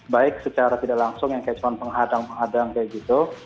baik secara tidak langsung yang kecuali penghadang penghadang kayak gitu